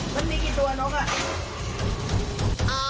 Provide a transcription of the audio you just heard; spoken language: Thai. มันมีกี่ตัวนกอ่ะ